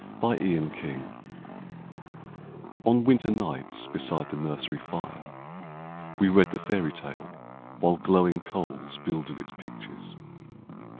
A Fairy Tale On winter nights beside the nursery fire We read the fairy tale, while glowing coals Builded its pictures.